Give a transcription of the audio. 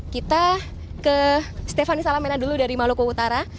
kita ke stephanie salamena dulu dari maluku utara